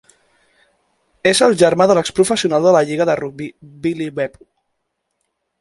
És el germà de l'exporofessional de la lliga de rugbi Billy Weepu.